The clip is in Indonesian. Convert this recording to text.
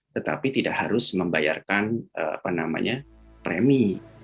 tetapi tidak harus membayarkan premi